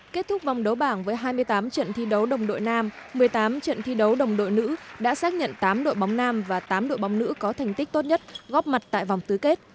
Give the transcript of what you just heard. kết thúc vòng đấu bảng với hai mươi tám trận thi đấu đồng đội nam một mươi tám trận thi đấu đồng đội nữ đã xác nhận tám đội bóng nam và tám đội bóng nữ có thành tích tốt nhất góp mặt tại vòng tứ kết